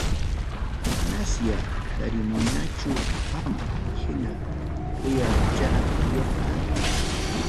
Manasya tarimunichu qam hina uyachayuqta.